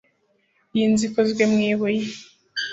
Iyi nzu ikozwe mu ibuye